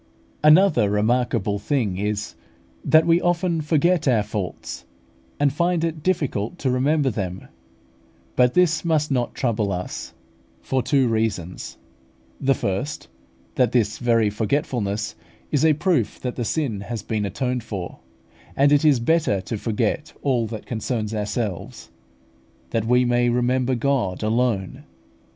Another remarkable thing is, that we often forget our faults, and find it difficult to remember them; but this must not trouble us, for two reasons: The first, that this very forgetfulness is a proof that the sin has been atoned for, and it is better to forget all that concerns ourselves, that we may remember God alone.